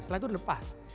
setelah itu lepas